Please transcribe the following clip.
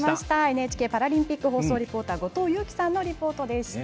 ＮＨＫパラリンピック放送リポーター後藤佑季さんのリポートでした。